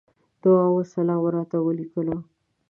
دعا وسلام راته وليکلو.